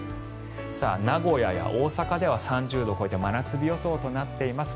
名古屋や大阪では３０度を超えて真夏日予想となっています。